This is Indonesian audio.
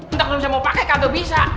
entah udah bisa mau pakai kata bisa